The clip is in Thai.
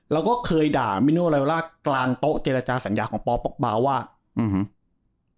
แล้วก็เคยด่ามิโนไลล่ากลางโต๊ะเจรจาสัญญาของปอป๊อกเบาว่าอืม